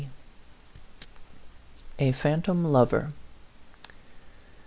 A PHANTOM LOYEE.